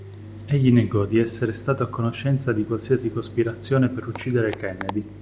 Egli negò di essere stato a conoscenza di qualsiasi cospirazione per uccidere Kennedy.